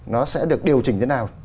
nó sẽ được điều chỉnh thế nào